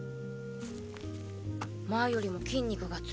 前よりも筋肉がついた。